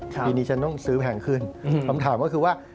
ทีนี้ฉันต้องซื้อแพงขึ้นคำถามก็คือว่า